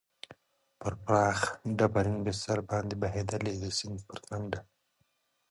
پر پراخ ډبرین بستر باندې بهېدلې، د سیند پر څنډه.